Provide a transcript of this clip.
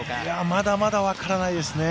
まだまだ分からないですね。